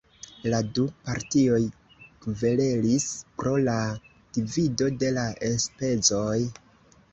La du partioj kverelis pro la divido de la enspezoj.